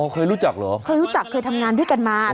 เคยรู้จักเหรอเคยรู้จักเคยทำงานด้วยกันมา